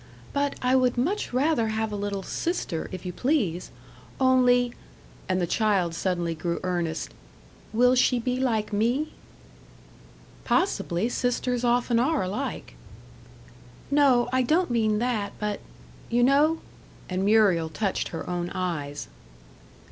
"But I would much rather have a little sister, if you please. Only" and the child suddenly grew earnest "will she be like me?" "Possibly; sisters often are alike." "No, I don't mean that; but you know?" And Muriel touched her own eyes.